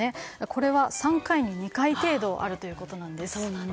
これは３回に２回程度あるということです。